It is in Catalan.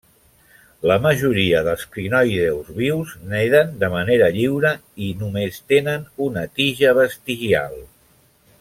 La majoria dels crinoïdeus vius naden de manera lliure i només tenen una tija vestigial.